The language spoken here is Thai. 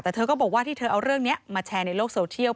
แต่เธอก็บอกว่าที่เธอเอาเรื่องนี้มาแชร์ในโลกโซเทียล